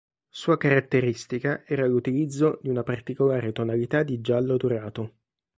Sua caratteristica era l'utilizzo di una particolare tonalità di giallo dorato.